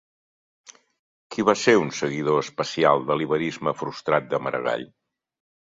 Qui va ser un seguidor especial de l'iberisme frustrat de Maragall?